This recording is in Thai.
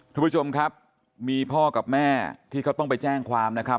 ทุกผู้ชมครับมีพ่อกับแม่ที่เขาต้องไปแจ้งความนะครับ